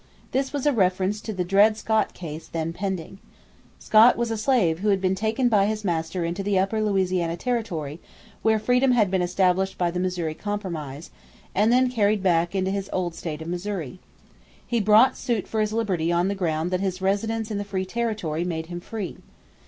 This was a reference to the Dred Scott case then pending. Scott was a slave who had been taken by his master into the upper Louisiana territory, where freedom had been established by the Missouri Compromise, and then carried back into his old state of Missouri. He brought suit for his liberty on the ground that his residence in the free territory made him free.